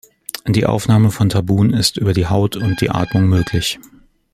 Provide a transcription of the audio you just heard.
Die Aufnahme von Tabun ist über die Haut und die Atmung möglich.